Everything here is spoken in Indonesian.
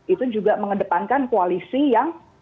itu juga mengedepankan koalisi yang